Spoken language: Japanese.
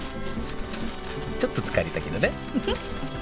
ちょっと疲れたけどね